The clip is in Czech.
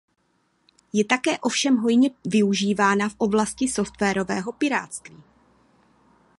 Je také ovšem hojně využívána v oblasti softwarového pirátství.